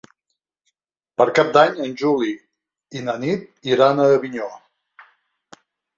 Per Cap d'Any en Juli i na Nit iran a Avinyó.